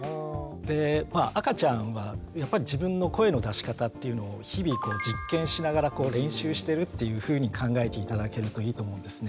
でまあ赤ちゃんはやっぱり自分の声の出し方っていうのを日々実験しながら練習してるっていうふうに考えて頂けるといいと思うんですね。